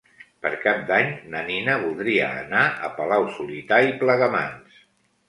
Per Cap d'Any na Nina voldria anar a Palau-solità i Plegamans.